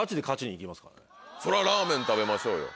そりゃラーメン食べましょうよ。